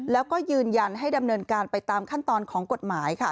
แล้วก็ยืนยันให้ดำเนินการไปตามขั้นตอนของกฎหมายค่ะ